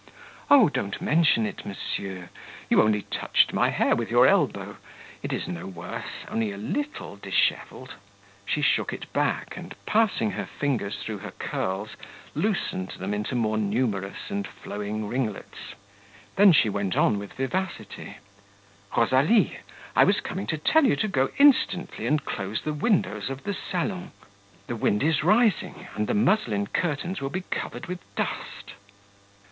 "Oh, don't mention it, monsieur; you only touched my hair with your elbow; it is no worse, only a little dishevelled." She shook it back, and passing her fingers through her curls, loosened them into more numerous and flowing ringlets. Then she went on with vivacity: "Rosalie, I was coming to tell you to go instantly and close the windows of the salon; the wind is rising, and the muslin curtains will be covered with dust."